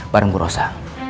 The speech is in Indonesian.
bareng bu rosa